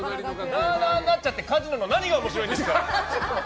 なあなあになっちゃってカジノの何が面白いんですか！